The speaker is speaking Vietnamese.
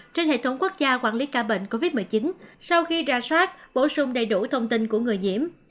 trên hệ thống quốc gia quản lý ca bệnh covid một mươi chín sau khi ra soát bổ sung đầy đủ thông tin của người nhiễm